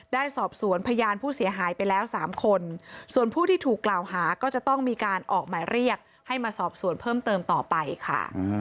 ได้สอบสวนพยานผู้เสียหายไปแล้ว๓คนส่วนผู้ที่ถูกกล่าวหาก็จะต้องมีการออกหมายเรียกให้มาสอบสวนเพิ่มเติมต่อไปค่ะ